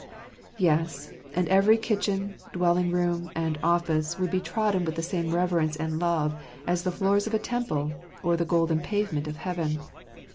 Yes : and every kitchen, dwelling room, and office, would be trodden with the same reverence and love as the floors of a temple or the golden pavement of heaven.